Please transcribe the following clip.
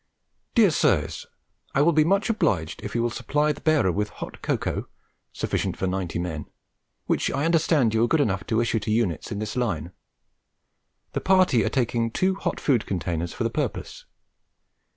'DEAR SIRS, I will be much obliged if you will supply the bearer with hot cocoa (sufficient for 90 men) which I understand you are good enough to issue to units in this line. The party are taking 2 hot food containers for the purpose.